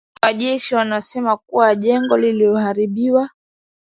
maafisa wa jeshi wamesema kuwa jengo lililoharibiwa